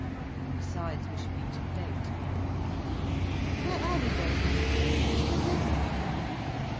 Besides we should be too late." "Where are we going then—to the Mill?"